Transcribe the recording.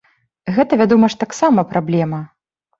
Гэта, вядома ж, таксама праблема.